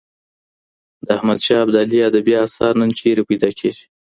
د احمد شاه ابدالي ادبي اثار نن چیرته پیدا کیږي؟